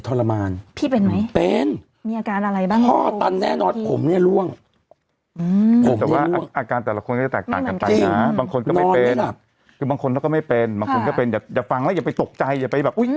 ถ้าที่สมมุติตัวเองเจอมาน่ะน่ากลัว